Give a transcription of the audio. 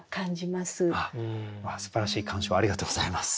すばらしい鑑賞ありがとうございます。